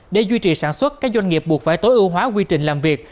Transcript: để duy trì sản xuất các doanh nghiệp buộc phải tối ưu hóa quy trình làm việc